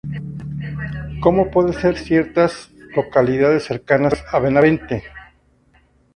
Como pueden ser ciertas localidades cercanas a Benavente.